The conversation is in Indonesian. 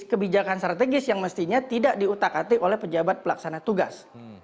kebijakan strategis yang mestinya tidak diutak atik oleh pejabat pelaksana tugas